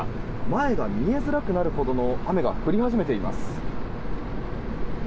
前が見えづらくなるほどの雨が降り始めています。